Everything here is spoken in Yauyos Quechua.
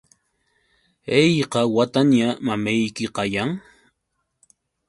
¿hayka wataña mamayki kayan?